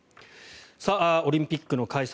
オリンピックの開催